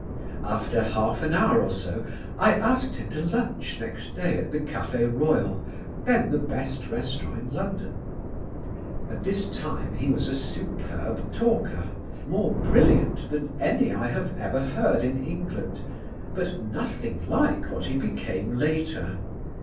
After half an hour or so I asked him to lunch next day at The Café Royal, then the best restaurant in London. At this time he was a superb talker, more brilliant than any I have ever heard in England, but nothing like what he became later.